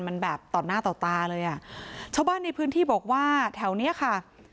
มันแบบต่อหน้าต่อตาเลยอ่ะชาวบ้านในพื้นที่บอกว่าแถวเนี้ยค่ะ